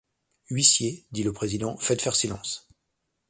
Huissiers, dit le président, faites faire silence.